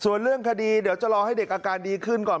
ส่วนเรื่องคดีเดี๋ยวจะรอให้เด็กอาการดีขึ้นก่อน